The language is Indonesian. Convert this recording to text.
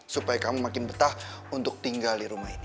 supaya kamu makin betah untuk tinggal di rumah ini